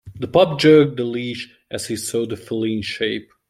The pup jerked the leash as he saw a feline shape.